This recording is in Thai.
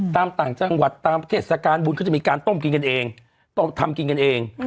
ตามต่างจังหวัดตามเศรษฐการบุญเขาจะมีการต้มกินกันเองต้มกินกันเอง